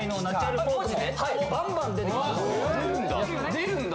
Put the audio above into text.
出るんだ？